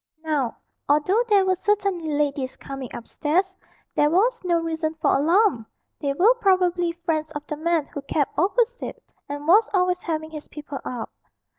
Now, although there were certainly ladies coming upstairs, there was no reason for alarm; they were probably friends of the man who kept opposite, and was always having his people up.